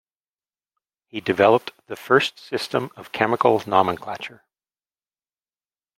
He developed the first system of chemical nomenclature.